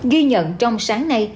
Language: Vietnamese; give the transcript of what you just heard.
ghi nhận trong sáng nay